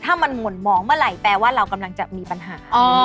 ถ้ามันหมุนมองเมื่อไหร่แปลว่าเรากำลังจะมีปัญหา